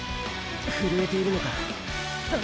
ふるえているのか？！